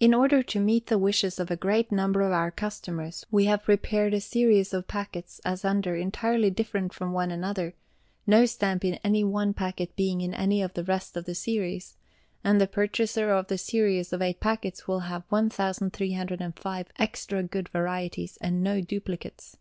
In order to meet the wishes of a great number of our customers, we have prepared a series of packets, as under, entirely different from one another, no stamp in any one packet being in any of the rest of the series; and the purchaser of the series of eight packets will have 1,305 extra good varieties, and no duplicates.